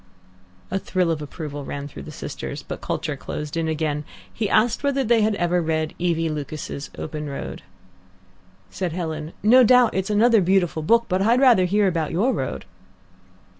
A thrill of approval ran through the sisters. But culture closed in again. He asked whether they had ever read E. V. Lucas's OPEN ROAD. Said Helen, "No doubt it's another beautiful book, but I'd rather hear about your road."